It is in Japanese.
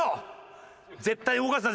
絶対動かすな！